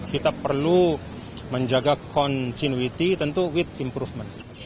kita perlu menjaga continuity tentu with improvement